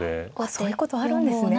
そういうことあるんですね。